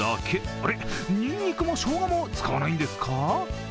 あれ、にんにくもしょうがも使わないんですか？